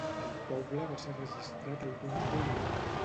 El poble va ser registrat al Domesday Book.